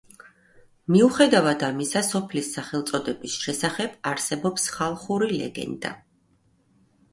მიუხედავად ამისა, სოფლის სახელწოდების შესახებ არსებობს ხალხური ლეგენდა.